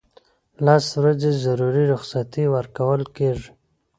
لس ورځې ضروري رخصتۍ ورکول کیږي.